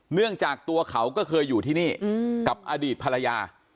เนื่องจากตัวเขาก็เคยอยู่ที่นี่กับอดีตภรรยา